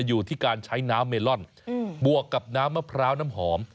อยู่ที่การใช้น้ำเมลอนบวกกับน้ำมะพร้าวน้ำหอม